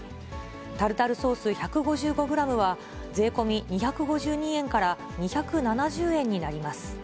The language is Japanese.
タルタルソース１５５グラムは税込み２５２円から２７０円になります。